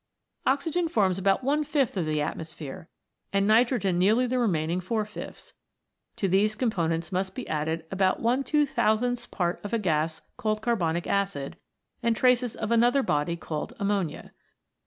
Oxygen forms about one fifth of the atmosphere, and nitrogen nearly the remaining four fifths ; to these components must be added about one two thousandth part of a gas called carbonic acid, and traces of another body called ammonia.